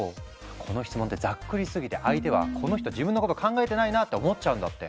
この質問ってざっくりすぎて相手は「この人自分のこと考えてないな」って思っちゃうんだって。